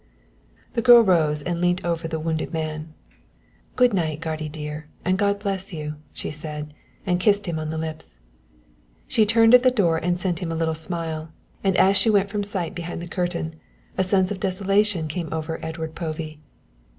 The girl rose and leant over the wounded man. "Good night, guardy dear, and God bless you," she said, and kissed him on the lips. She turned at the door and sent him a little smile, and as she went from sight behind the curtain, a sense of desolation came over Edward Povey.